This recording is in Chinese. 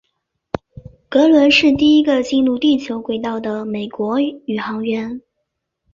格伦是第一个进入地球轨道的美国宇航员。